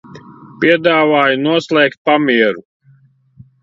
Piedāvāju noslēgt pamieru.